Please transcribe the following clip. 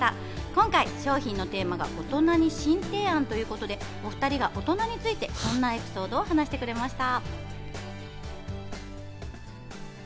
今回、商品のテーマが「大人に新提案！」ということで、お２人が大人についてこんなエピソードを話してくれました。